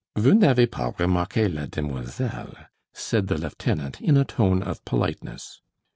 "Vous n'avez pas remarque la demoiselle," said the lieutenant, in a tone of politeness.